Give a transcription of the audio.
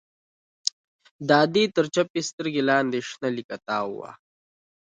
د ادې تر چپې سترگې لاندې شنه ليکه تاوه وه.